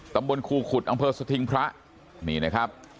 ตำบลครูขุดอำเภอสถิงพระนี่นะครับ